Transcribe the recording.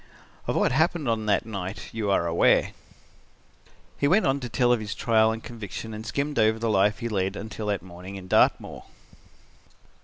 "Of what happened on that night you are aware." He went on to tell of his trial and conviction and skimmed over the life he led until that morning on Dartmoor.